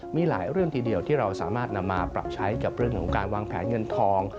มีหลายเรื่องทีเดียวที่เราสามารถนำมาปรับใช้กับเรื่องของการวางแผนเงินทอง